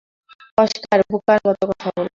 Oscar, বোকার মতো কথা বলো না।